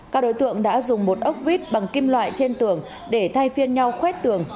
các đối tượng đã dùng một ốc vít bằng kim loại trên tường để thay phiên nhau khuét tường